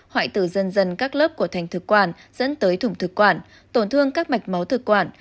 hoại tử dần dần các lớp của thành thực quản dẫn tới thủng thực quản tổn thương các mạch máu thực quản